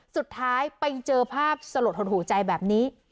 สุดท้ายไปเจอภาพสลดหดหูใจแบบนี้